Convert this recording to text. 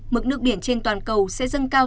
mực nước biển trên toàn cầu sẽ dâng cao